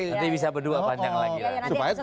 nanti bisa berdua panjang lagi